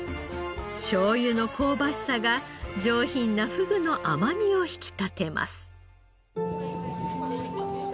しょうゆの香ばしさが上品なふぐの甘みを引き立てます。